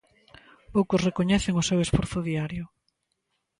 Poucos recoñecen o seu esforzo diario.